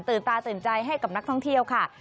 ตาตื่นใจให้กับนักท่องเที่ยวค่ะ